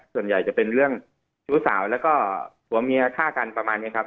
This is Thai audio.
ส่วนใหญ่จะเป็นเรื่องชู้สาวแล้วก็ผัวเมียฆ่ากันประมาณนี้ครับ